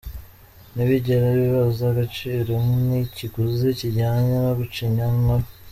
Ntibigera bibaza agaciro n’ikiguzi kijyanye no gucinya inkoro.